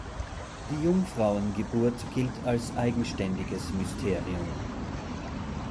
Die Jungfrauengeburt gilt als eigenständiges Mysterium.